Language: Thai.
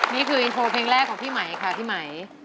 นี่คืออินโทรเพลงแรกของพี่ไหมค่ะพี่ไหม